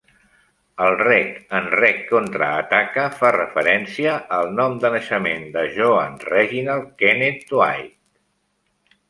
El "reg" en "reg contraataca" fa referència al nom de naixement de Joan, Reginald Kenneth Dwight.